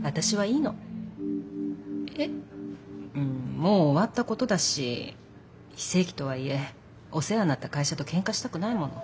もう終わったことだし非正規とはいえお世話になった会社とけんかしたくないもの。